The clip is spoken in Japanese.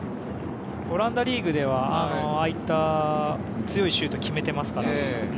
オランダリーグではああいった強いシュートを決めていますからね。